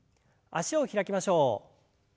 脚を開きましょう。